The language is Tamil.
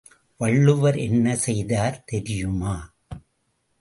வள்ளுவர் என்ன செய்தார் தெரியுமா?